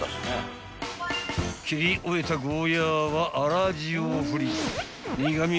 ［切り終えたゴーヤーはあら塩を振り］